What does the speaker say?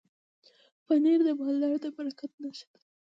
پنېر د مالدارو د برکت نښه ده.